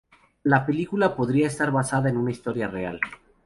La película podría estar basada en una historia real.